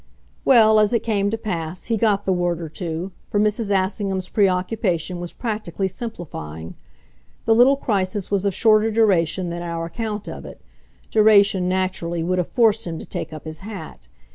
Well, as it came to pass, he got the word or two, for Mrs. Assingham's preoccupation was practically simplifying. The little crisis was of shorter duration than our account of it; duration, naturally, would have forced him to take up his hat.